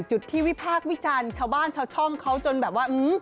จุดที่วิพากษ์วิจารณ์ชาวบ้านชาวช่องเขาจนแบบว่า